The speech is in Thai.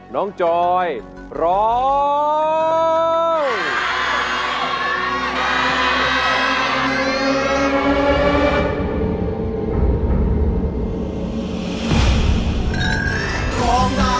น้องจอยร้อง